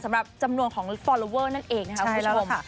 สำหรับจำนวนของฟอลลอเวอร์นั่นเองนะครับคุณผู้ชม